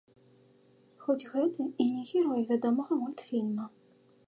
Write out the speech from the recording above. Хоць гэта і не герой вядомага мультфільма.